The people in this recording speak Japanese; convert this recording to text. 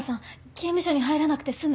刑務所に入らなくて済む？